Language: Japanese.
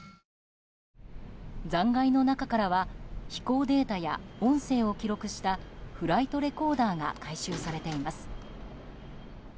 残骸の中からは飛行データや音声を記録したフライトレコーダーが回収されています。